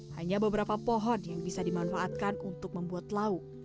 hanya beberapa pohon yang bisa dimanfaatkan untuk membuat lauk